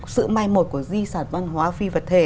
sự mai một của di sản văn hóa phi vật thể